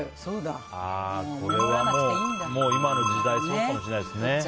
これは今の時代そうかもしれないですね。